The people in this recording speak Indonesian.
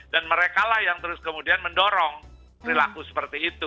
dan merekalah yang terus kemudian mendorong perilaku seperti itu